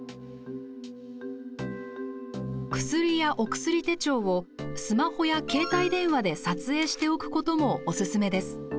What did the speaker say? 薬や、お薬手帳をスマホや携帯電話で撮影しておくこともおすすめです。